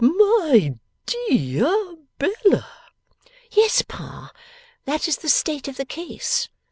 'My de a r Bella!' 'Yes, Pa, that is the state of the case.